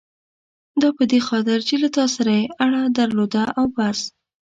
دا په دې خاطر چې له تا سره یې اړه درلوده او بس.